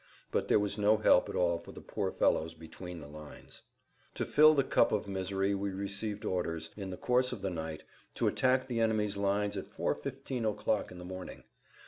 But there was no help at all for the poor fellows between the lines. To fill the cup of misery we received orders, in the course of the night, to attack the enemy's lines at 4:15 o'clock in the morning.